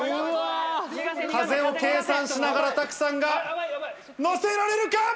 風を計算しながら拓さんが載せられるか？